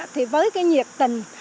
thì với cái nhiệt tình